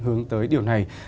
hướng tới điều này